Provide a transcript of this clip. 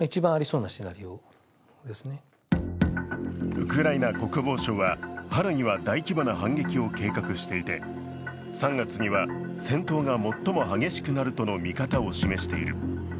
ウクライナ国防省は、春には大規模な反撃を計画していて、３月には戦闘が最も激しくなるとの見方を示している。